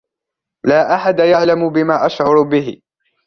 لا أحد يعلم بما أشعر به.